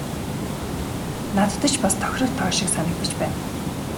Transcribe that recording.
Надад ч бас тохирох тоо шиг санагдаж байна.